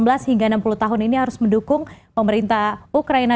sehingga enam puluh tahun ini harus mendukung pemerintah ukraina